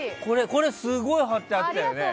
これ、すごい貼ってあったよね。